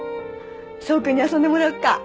想君に遊んでもらおっか。